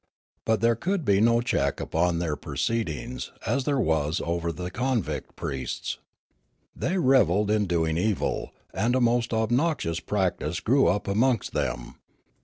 But there could be no check upon their proceed ings as there was over the convict priests. They revelled in doing evil, and a most obnoxious practice grew up amongst them.